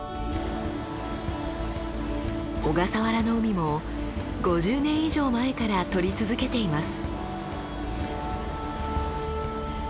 小笠原の海も５０年以上前から撮り続けています。